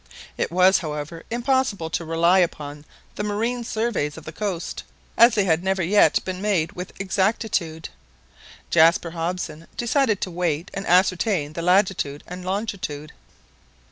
It was, however, impossible to rely upon the marine surveys of the coast, as they had never yet been made with exactitude. Jaspar Hobson decided to wait and ascertain the latitude and longitude.